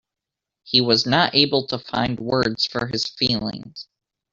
He was not able to find words for his feelings.